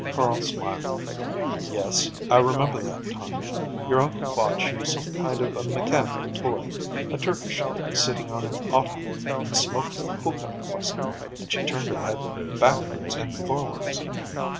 Carl smiled. "Yes, I remember that time. Your uncle bought you some kind of a mechanical toy, a Turkish lady sitting on an ottoman and smoking a hookah, wasn't it? And she turned her head backwards and forwards."